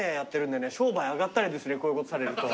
商売上がったりですねこういうことされると。